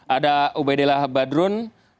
ada ubaidillah badrun